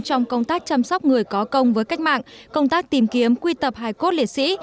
trong công tác chăm sóc người có công với cách mạng công tác tìm kiếm quy tập hài cốt liệt sĩ